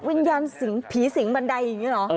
วิญญาณสิงผีสิงบันไดอย่างนี้เหรอ